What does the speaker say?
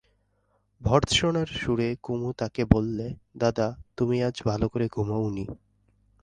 ভর্ৎসনার সুরে কুমু তাকে বললে, দাদা, আজ তুমি ভালো করে ঘুমোও নি।